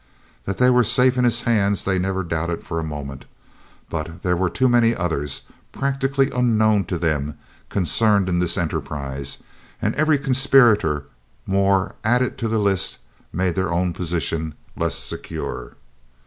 That they were safe in his hands they never doubted for a moment, but there were too many others, practically unknown to them, concerned in this enterprise, and every conspirator more added to the list made their own position less secure.